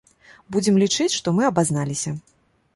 Будзем лічыць, што мы абазналіся.